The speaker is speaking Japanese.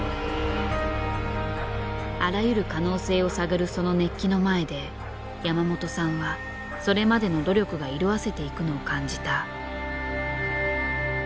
あらゆる可能性を探るその熱気の前で山本さんはそれまでの努力が色あせていくのを感じた。